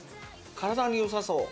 体に良さそう。